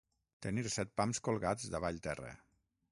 Tenir set pams colgats davall terra.